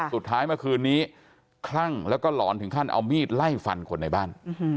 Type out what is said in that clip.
เมื่อคืนนี้คลั่งแล้วก็หลอนถึงขั้นเอามีดไล่ฟันคนในบ้าน